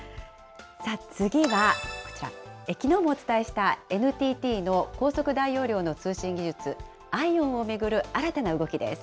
次はこちら、きのうもお伝えしたＮＴＴの高速大容量の通信技術、ＩＯＷＮを巡る新たな動きです。